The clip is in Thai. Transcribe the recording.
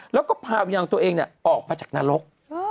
แล้วก็พาวิญญาณตัวเองออกมาจากนรก